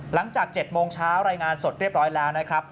หลังจาก๗โมงเช้ารายงานสดเรียบร้อยแล้วนะครับ